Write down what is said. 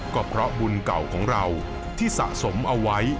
ก็เพราะบุญเก่าของเราที่สะสมเอาไว้